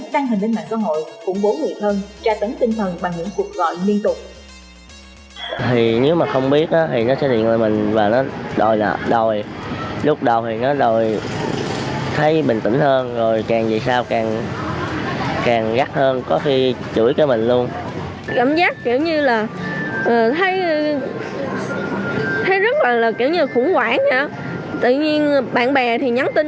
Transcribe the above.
đây là những tin nhắn cuộc gọi từ tí app petit đến những con nợ và người thân